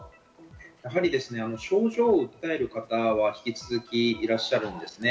やはり症状を訴える方は引き続きいらっしゃるんですね。